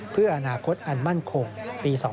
เพื่ออนาคตอันมั่นคงปี๒๕๖